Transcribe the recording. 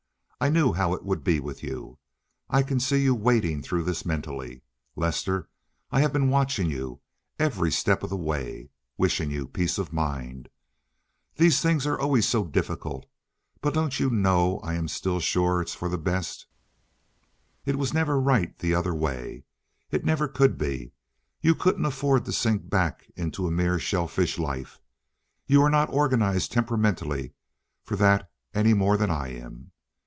"I knew how it would be with you. I can see you wading through this mentally, Lester. I have been watching you, every step of the way, wishing you peace of mind. These things are always so difficult, but don't you know I am still sure it's for the best. It never was right the other way. It never could be. You couldn't afford to sink back into a mere shell fish life. You are not organized temperamentally for that any more than I am.